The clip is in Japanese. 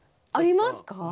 ありますか？